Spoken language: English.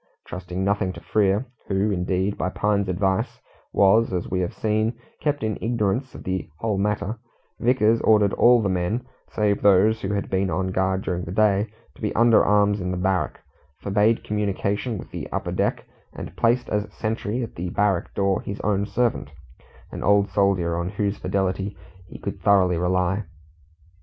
Trusting nothing to Frere who, indeed, by Pine's advice, was, as we have seen, kept in ignorance of the whole matter Vickers ordered all the men, save those who had been on guard during the day, to be under arms in the barrack, forbade communication with the upper deck, and placed as sentry at the barrack door his own servant, an old soldier, on whose fidelity he could thoroughly rely.